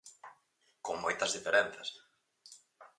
Con moitas diferenzas.